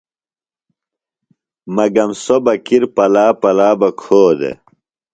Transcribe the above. مگم سوۡ بہ کِر پلا پلا بہ کھو دےۡ۔